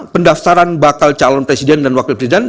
pendaftaran bakal calon presiden dan wakil presiden